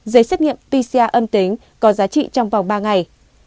giấy xét nghiệm pcr âm tính có giá trị trong vòng ba ngày